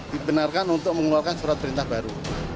dibenarkan untuk mengeluarkan surat perintah baru